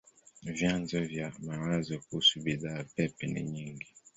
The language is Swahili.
Vyanzo vya mawazo kuhusu bidhaa pepe ni nyingi.